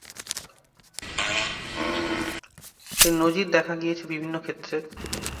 এর নজির দেখা গিয়েছে বিভিন্ন ক্ষেত্রে।